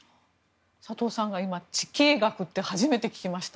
佐藤さんから今地経学って初めて聞きました。